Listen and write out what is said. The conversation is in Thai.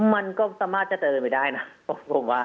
มันก็สามารถจะเดินไปได้นะ